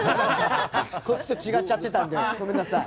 こっちと違っちゃってたんでごめんなさい。